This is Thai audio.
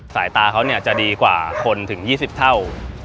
สายตาเขาจะดีกว่าคนถึง๒๐เท่า